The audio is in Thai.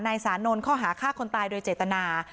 สานนท์ข้อหาฆ่าคนตายโดยเจตนา